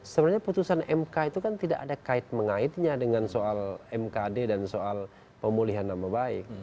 sebenarnya putusan mk itu kan tidak ada kait mengaitnya dengan soal mkd dan soal pemulihan nama baik